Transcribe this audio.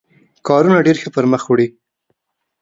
کارونه ډېر ښه پر مخ وړي.